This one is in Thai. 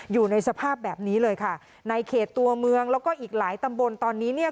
อยู่ในสภาพแบบนี้เลยค่ะในเขตตัวเมืองแล้วก็อีกหลายตำบลตอนนี้เนี่ย